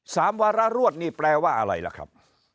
วาระรวดนี่แปลว่าอะไรล่ะครับ